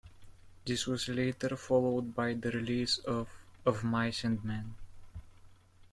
This was later followed by the release of "Of Mice and Men".